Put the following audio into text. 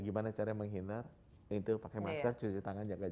gimana caranya menghinar itu pakai masker cuci tangan jaga